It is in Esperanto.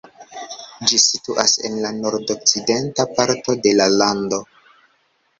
Ĝi situas en la nordokcidenta parto de la lando.